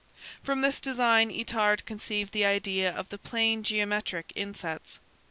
From this design Itard conceived the idea of the plane geometric insets.